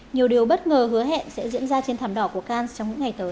nhiều điều bất ngờ hứa hẹn sẽ diễn ra trên thảm đỏ của can trong những ngày tới